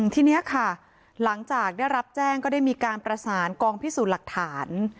ทีนี้ค่ะหลังจากได้รับแจ้งก็ได้มีการประสานกองพิสูจน์หลักฐาน